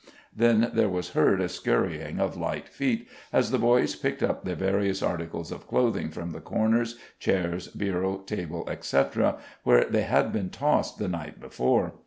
Then there was heard a scurrying of light feet as the boys picked up their various articles of clothing from the corners, chairs, bureau, table, etc., where they had been tossed the night before.